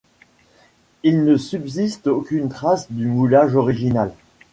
Il ne subsiste aucune trace du moulage original.